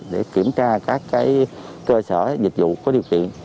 để kiểm tra các cơ sở dịch vụ có điều kiện